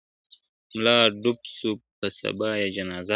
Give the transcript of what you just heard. مُلا ډوب سو په سبا یې جنازه سوه `